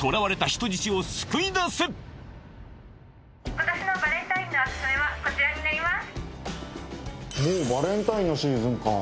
今年のバレンタインのオススメはこちらになります。